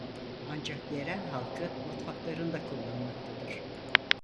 Ancak yerel halkı mutfaklarında kullanmaktadır.